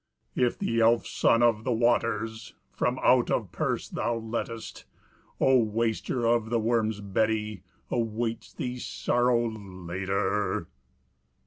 If the elf sun of the waters From out of purse thou lettest, O waster of the worm's bedy Awaits thee sorrow later."